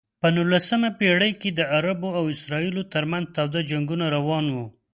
په نولسمه پېړۍ کې د عربو او اسرائیلو ترمنځ تاوده جنګونه روان و.